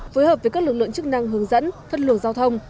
phối hợp với các lực lượng chức năng hướng dẫn phất lượng giao thông